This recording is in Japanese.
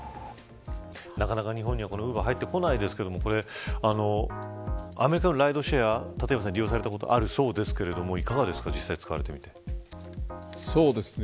なかなか日本には、このウーバー入ってこないですけどアメリカのライドシェア立岩さん、利用されたことがあるそうですが実際に使われてみていかがですか。